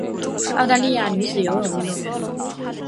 澳大利亚女子游泳运动员。